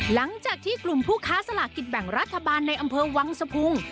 หลังจากที่กลุ่มผู้ค้าสลากกินแบ่งรัฐบาลในอำเภอวังสะพุง